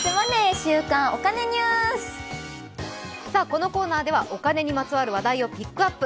このコーナーではお金にまつわるニュースをピックアップ。